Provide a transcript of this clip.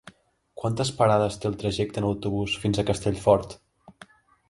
Quantes parades té el trajecte en autobús fins a Castellfort?